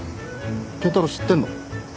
健太郎知ってんの？